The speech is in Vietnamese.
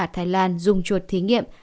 ở thái lan dùng chuột thí nghiệm